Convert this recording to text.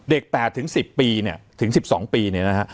๘๑๐ปีเนี่ยถึง๑๒ปีเนี่ยนะฮะ